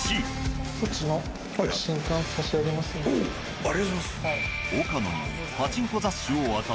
岡野にありがとうございます。